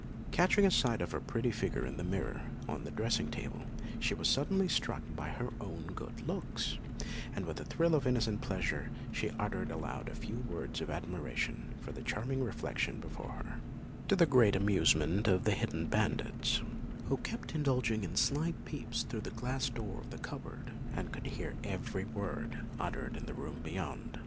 Catching sight of her pretty figure in the mirror on her dressing table, she was suddenly struck with her own good looks, and with a thrill of innocent pleasure she uttered aloud a few words of admiration for the charming reflection before her, to the great amusement of the hidden bandits, who kept indulging in sly peeps through the glass doors of the cupboard, and could hear every word uttered in the room beyond.